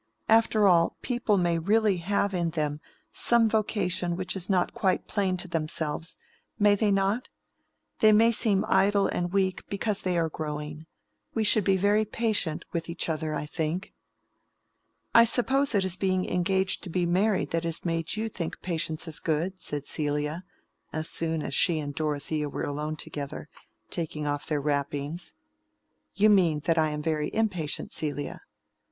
After all, people may really have in them some vocation which is not quite plain to themselves, may they not? They may seem idle and weak because they are growing. We should be very patient with each other, I think." "I suppose it is being engaged to be married that has made you think patience good," said Celia, as soon as she and Dorothea were alone together, taking off their wrappings. "You mean that I am very impatient, Celia."